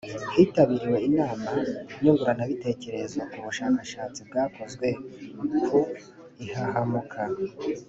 hitabiriwe inama nyunguranabitekerezo ku bushakashatsi bwakozwe ku ihahamuka